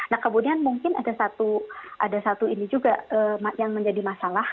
nah kemudian mungkin ada satu ini juga yang menjadi masalah